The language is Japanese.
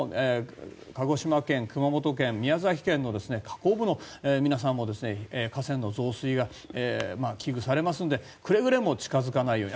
鹿児島県、熊本県、宮崎県の河口部の皆さんも河川の増水が危惧されますのでくれぐれも近付かないように。